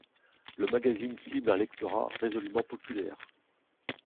Le magazine cible un lectorat résolument populaire.